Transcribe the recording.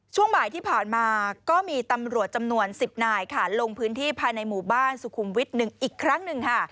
ช่วงบ่ายที่ผ่านมาก็มีตำรวจจำนวน๑๐นายค่ะลงพื้นที่ภายในหมู่บ้านสุขุมวิทย์๑อีกครั้งหนึ่งค่ะ